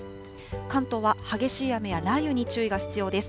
関東は激しい雨や雷雨に注意が必要です。